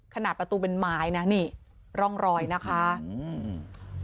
ขนาดประตูเป็นไม้นะนี่ร่องรอยนะคะอืม